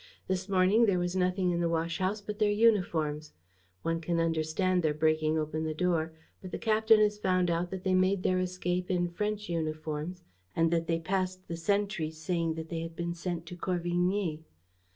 This morning, there was nothing in the wash house but their uniforms. One can understand their breaking open the door. But the captain has found out that they made their escape in French uniforms and that they passed the sentries, saying that they had been sent to Corvigny.